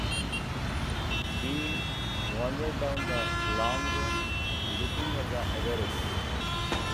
She wandered down the long room looking at the other exhibits.